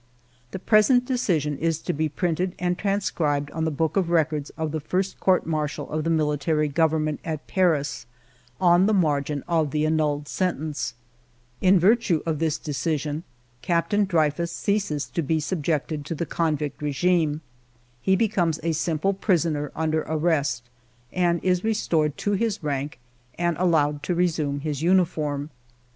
The present decision is to be printed and transcribed on the Book of Records of the first Court Martial of the Military Government at Paris on the margin of the annulled sentence. 292 FIVE YEARS OF MY LIFE " In virtue of this decision Captain Dreyfus ceases to be subjected to the convict regime ; he becomes a simple prisoner under arrest, and is restored to his rank and allowed to resume his uniform.